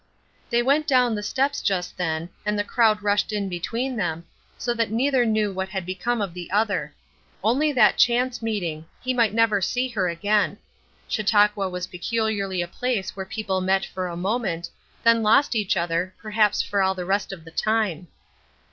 They went down the steps just then, and the crowd rushed in between them, so that neither knew what had become of the other; only that chance meeting; he might never see her again. Chautauqua was peculiarly a place where people met for a moment, then lost each other, perhaps for all the rest of the time.